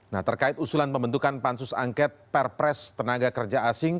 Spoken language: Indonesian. nah terkait usulan pembentukan pansus angket perpres tka